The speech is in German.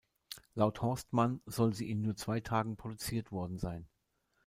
Laut Horstmann soll sie in nur zwei Tagen produziert worden sein.